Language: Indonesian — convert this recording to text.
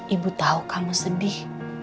ibu tau kamu sedih